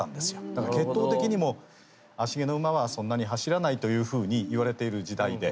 だから血統的にも芦毛の馬はそんなに走らないというふうに言われている時代で。